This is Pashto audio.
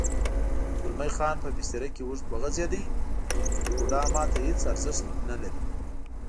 زلمی خان په بستره کې اوږد وغځېد: بوډا ما ته هېڅ ارزښت نه لري.